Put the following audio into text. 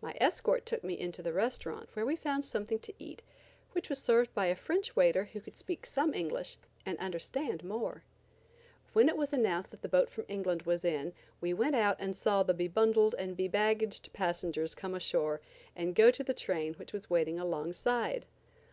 My escort took me into the restaurant where we found something to eat, which was served by a French waiter who could speak some English and understand more. When it was announced that the boat from England was in we went out and saw the be bundled and be baggaged passengers come ashore and go to the train which was waiting alongside.